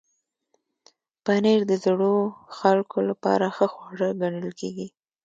پنېر د زړو خلکو لپاره ښه خواړه ګڼل کېږي.